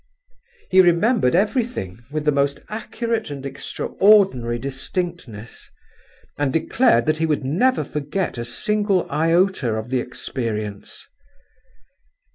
He remembered everything with the most accurate and extraordinary distinctness, and declared that he would never forget a single iota of the experience.